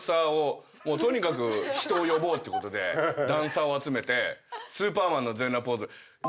とにかく人を呼ぼうってことでダンサーを集めてスーパーマンの全裸ポーズ。